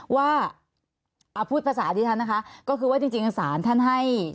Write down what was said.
ว่าเอาพูดภาษาที่ฉันนะคะก็คือว่าจริงสารท่านให้